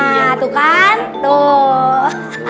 nah tuh kan tuh